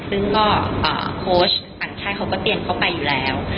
แล้วก็โค้ชอันชัยเขาก็เตรียมเข้าไปอยู่แล้ว